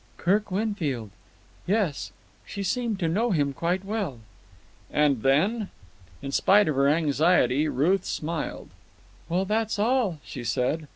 "Kirk Winfield. Yes, she seemed to know him quite well." "And then?" In spite of her anxiety, Ruth smiled. "Well, that's all," she said.